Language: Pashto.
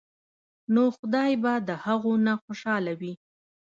نو خدائے به د هغو نه خوشاله وي ـ